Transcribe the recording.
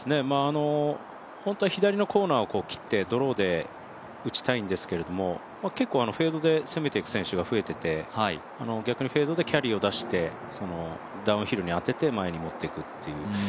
本当は左のコーナーを切ってドローで打ちたいんですけれども結構、フェードで攻めていく選手が増えていて逆にフェードでキャリーを出してダウンヒルに当てて前に持っていくという。